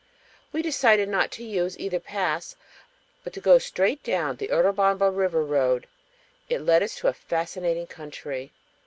We decided not to use either pass, but to go straight down the Urubamba river road. It led us into a fascinating country.